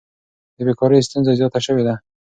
د بیکارۍ ستونزه زیاته شوې ده.